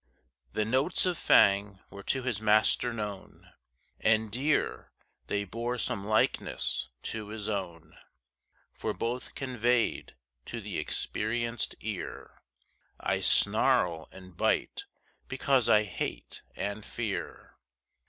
The notes of Fang were to his master known And dear they bore some likeness to his own; For both conveyed, to the experienced ear, "I snarl and bite because I hate and fear."